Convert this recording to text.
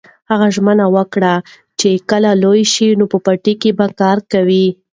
هغه ژمنه وکړه چې کله لوی شي نو په پټي کې به کار کوي.